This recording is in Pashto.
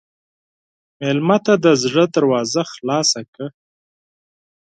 مېلمه ته د زړه دروازه خلاصه کړه.